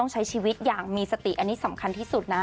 ใช้ชีวิตอย่างมีสติอันนี้สำคัญที่สุดนะ